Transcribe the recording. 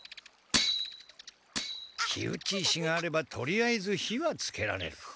火打ち石があればとりあえず火はつけられる。